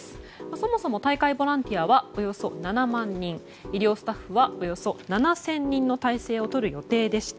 そもそも大会ボランティアはおよそ７万人、医療スタッフはおよそ７０００人の態勢をとる予定でした。